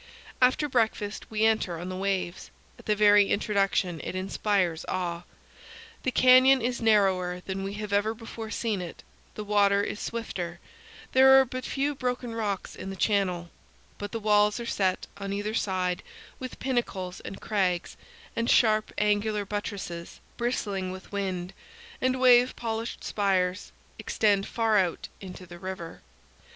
After breakfast we enter on the waves. At the very introduction it inspires awe. The canyon is narrower than we have ever before seen it; the water is swifter; there are but few broken rocks in the channel; but the walls are set, on either side, with pinnacles and crags; and sharp, angular buttresses, bristling with wind and wave polished spires, extend far out into the river.